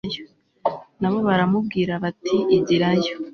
Na bo baramubwira bati igirayo